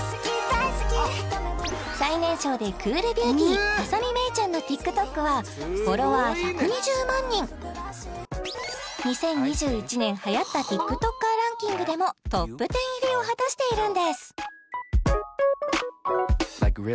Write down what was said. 最年少でクールビューティー浅見めいちゃんのＴｉｋＴｏｋはフォロワー１２０万人２０２１年流行ったＴｉｋＴｏｋｅｒランキングでもトップ１０入りを果たしているんです